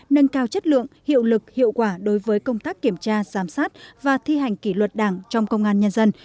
nâng cao chất lượng hiệu lực hiệu quả đối với công tác kiểm tra giám sát và thi hành kỷ luật đảng trong công an nhân dân